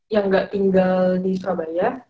yang nggak tinggal di surabaya